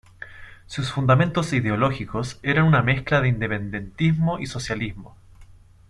Sus fundamentos ideológicos eran una mezcla de independentismo y socialismo.